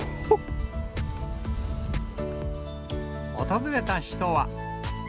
訪れた人は。